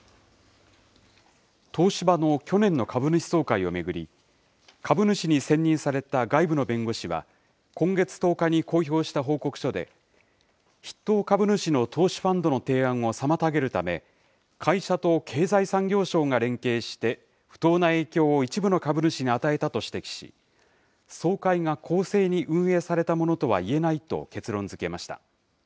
東芝の去年の株主総会を巡り、株主に選任された外部の弁護士は、今月１０日に公表した報告書で、筆頭株主の投資ファンドの提案を妨げるため、会社と経済産業省が連携して不当な影響を一部の株主に与えたと指摘し、総会が公正に運営されたものとはいえないと結論づけました。